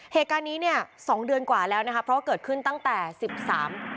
เหตุการณ์นี้เนี่ยสองเดือนกว่าแล้วนะคะเพราะว่าเกิดขึ้นตั้งแต่สิบสาม